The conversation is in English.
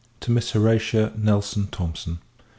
TO MISS HORATIA NELSON THOMSON.